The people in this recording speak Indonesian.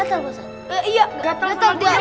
kan abis dipotong rambut rambut